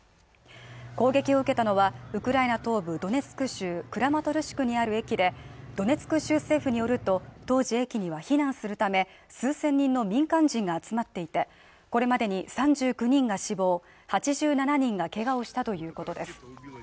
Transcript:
攻撃を受けたのはウクライナ東部ドネツク州クラマトルシクにある駅でドネツク州政府によると当時、駅には避難するため数千人の民間人が集まっていて、これまでに３９人が死亡８７人がけがをしたということです。